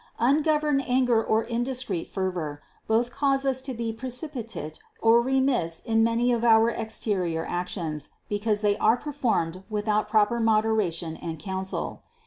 Ungoverned anger or indiscreet fervor, both cause us to be precipitate or remiss in many of our exterior actions, because they are performed without proper moderation and counsel.